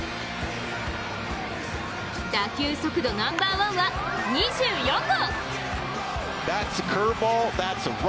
打球速度ナンバーワンは２４号。